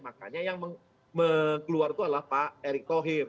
makanya yang keluar tuh adalah pak erick kohir